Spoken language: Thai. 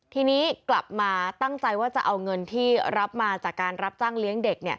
ทีนี้กลับมาตั้งใจว่าจะเอาเงินที่รับมาจากการรับจ้างเลี้ยงเด็ก